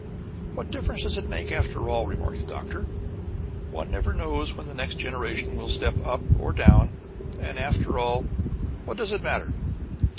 "What difference does it make after all?" remarked the Doctor. "One never knows when the next generation will step up or down, and, after all, what does it matter?"